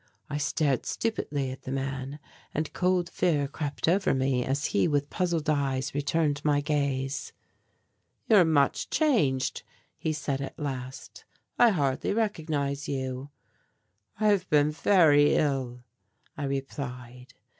I stared stupidly at the man, and cold fear crept over me as he, with puzzled eyes, returned my gaze. "You are much changed," he said at last. "I hardly recognize you." "I have been very ill," I replied.